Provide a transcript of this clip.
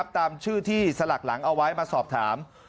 ตามชื่อที่สลักหลังเอาไว้มาสอบถาม